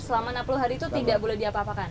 selama enam puluh hari itu tidak boleh diapa apakan